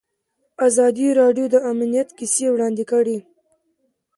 ازادي راډیو د امنیت کیسې وړاندې کړي.